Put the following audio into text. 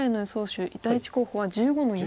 手第１候補は１５の四。